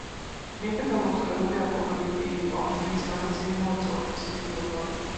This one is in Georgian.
მეფე გამოუსწორებელი ალკოჰოლიკი იყო, რის გამოც იყო გამოწვეული მისი უშვილობა.